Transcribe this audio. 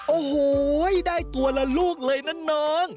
โอ้โหได้ตัวละลูกเลยนะน้อง